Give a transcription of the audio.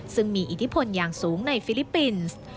ซึ่งมีอิทธิพลอย่างสูงในฟิลิปปินส์